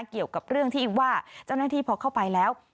เกี่ยวกับเรื่องที่ว่าเจ้าหน้าที่พอเข้าไปแล้ว